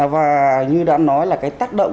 và như đã nói là cái tác động